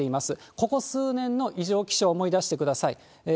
ここ数年の異常気象を思い出してください。